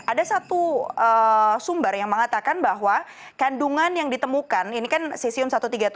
ada satu sumber yang mengatakan bahwa kandungan yang ditemukan ini kan cesium satu ratus tiga puluh tujuh